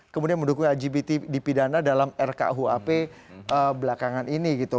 kemudian mendukung lgbt di pidana dalam rkuap belakangan ini gitu